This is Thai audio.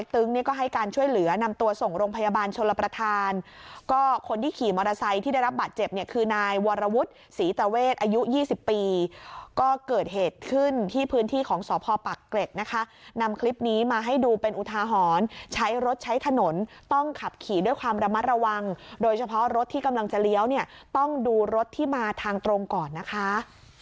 ศรีตะเวศอายุยี่สิบปีก็เกิดเหตุขึ้นที่พื้นที่ของศพปากเกร็ดนะคะนำคลิปนี้มาให้ดูเป็นอุทาหอนใช้รถใช้ถนนต้องขับขี่ด้วยความระมัดระวังโดยเฉพาะรถที่กำลังจะเลี้ยวเนี้ยต้องดูรถที่มาทางตรงก่อนนะคะ